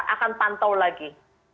akan pantau lagi